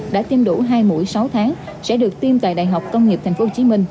đã tiêm đủ hai mũi sáu tháng sẽ được tiêm tại đại học công nghiệp tp hcm